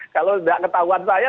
kalau nggak ketahuan saya